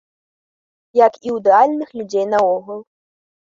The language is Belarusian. Як і ў ідэальных людзей наогул.